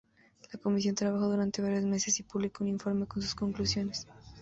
La comisión trabajó durante varios meses y publicó un informe con sus conclusiones.